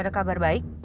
ada kabar baik